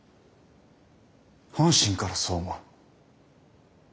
本心からそう思う。